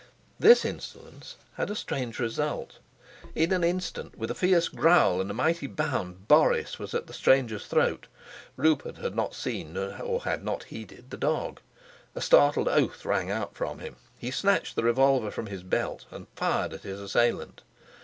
This insolence had a strange result. In an instant, with a fierce growl and a mighty bound, Boris was at the stranger's throat. Rupert had not seen or had not heeded the dog. A startled oath rang out from him. He snatched the revolver from his belt and fired at his assailant.